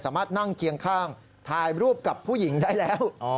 นั่งเคียงข้างถ่ายรูปกับผู้หญิงได้แล้ว